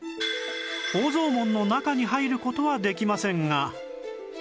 宝蔵門の中に入る事はできませんが